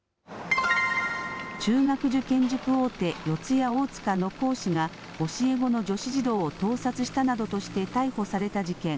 中学受験塾大手、四谷大塚の講師が、教え子の女子児童を盗撮したなどとして逮捕された事件。